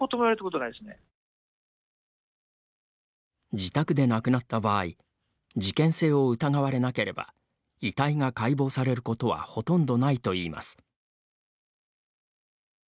自宅で亡くなった場合事件性を疑われなければ遺体が解剖されることはほとんどないといいます。